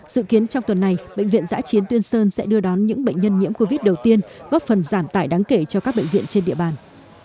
dự kiến trong tuần này bệnh viện giã chiến tuyên sơn sẽ đưa đón những bệnh nhân nhiễm covid đầu tiên góp phần giảm tải đáng kể cho các bệnh viện trên địa bàn